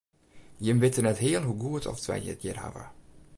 Jimme witte net heal hoe goed oft wy it hjir hawwe.